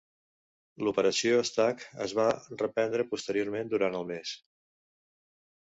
L'Operation Stack es va reprendre posteriorment durant el mes.